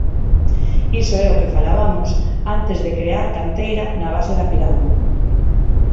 Iso é o que falabamos antes de crear canteira na base da pirámide.